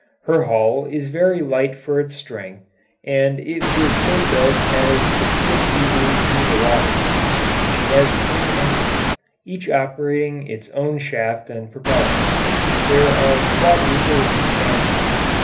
Her hull is very light for its strength, and it was so built as to slip easily through the water. She has twin engines, each operating its own shaft and propeller. These are quadruple expansion.